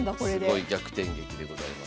すごい逆転劇でございます。